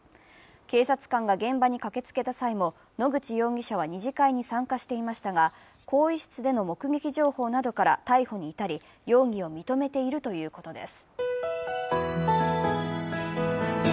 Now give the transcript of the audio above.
警察官が現場に駆けつけた際も野口容疑者は二次会に参加していましたが、更衣室での目撃情報などから逮捕に至り「Ｓｕｎトピ」、奈良岡さんです。